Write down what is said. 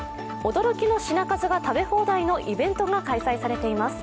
驚きの品数が食べ放題のイベントが開催されています。